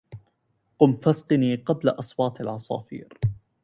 قم فاسقني قبل أصوات العصافير